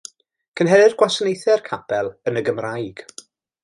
Cynhelir gwasanaethau'r capel yn y Gymraeg.